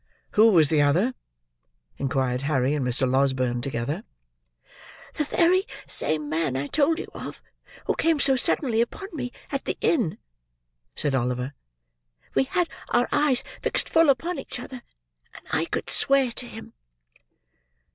"Who was the other?" inquired Harry and Mr. Losberne, together. "The very same man I told you of, who came so suddenly upon me at the inn," said Oliver. "We had our eyes fixed full upon each other; and I could swear to him."